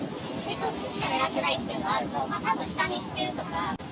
そっちしか狙ってないというのがあると、たぶん下見してるのか。